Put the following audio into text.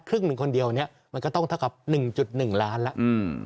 ครึ่ง๑คนเดียวมันก็ต้องเท่ากับ๑๑ล้านแล้ว